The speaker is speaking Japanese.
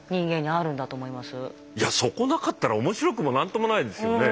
いやそこなかったら面白くも何ともないですよね。